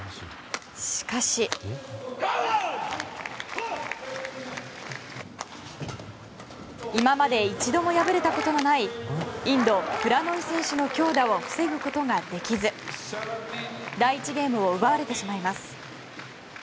しかし、今まで一度も敗れたことのないインド、プラノイ選手の強打を防ぐことができず第１ゲームを奪われてしまいます。